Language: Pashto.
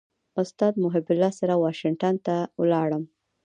استاد محب الله سره واشنګټن ته ولاړم.